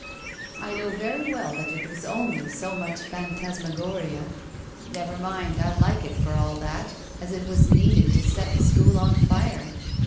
I know very well that it was only so much phantasmagoria. Never mind, I like it for all that, as it was needed to set the School on fire.